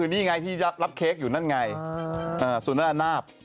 นี่ไงที่รับเค้กอยู่ส่วนหน้านาบ